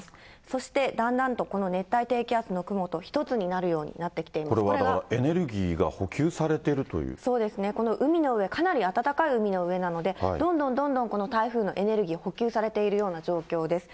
そしてだんだんとこの熱帯低気圧の雲と一つになるようになってきこれはだからエネルギーが補そうですね、この海の上、かなり暖かい海の上なので、どんどんどんどん、この台風のエネルギー、補給されているような状況です。